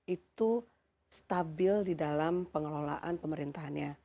itu stabil di dalam pengelolaan pemerintahannya